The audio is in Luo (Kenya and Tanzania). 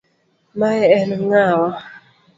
Mae en ng'awa .